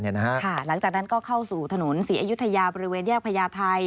หลังจากนั้นก็เข้าสู่ถนนศรีอยุธยาบริเวณแยกพญาไทย